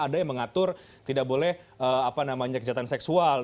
ada yang mengatur tidak boleh kejahatan seksual